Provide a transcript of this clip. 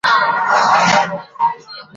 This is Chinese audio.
布罗斯尝试说服国王救出贞德未果。